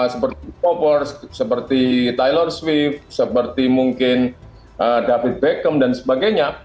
seperti kopers seperti tyler swift seperti mungkin david beckham dan sebagainya